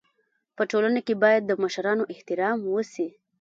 په ټولنه کي بايد د مشرانو احترام وسي.